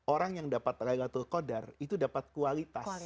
orang yang dapat laylatul qadar itu dapat kualitas